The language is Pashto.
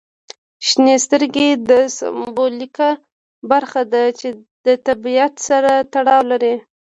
شنې سترګې د سمبولیکه برخه ده چې د طبیعت سره تړاو لري.